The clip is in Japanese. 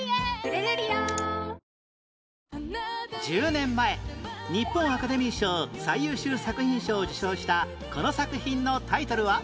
１０年前日本アカデミー賞最優秀作品賞を受賞したこの作品のタイトルは？